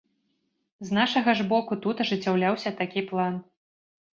З нашага ж боку тут ажыццяўляўся такі план.